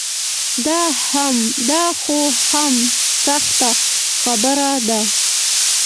دا خو هم سخته خبره ده.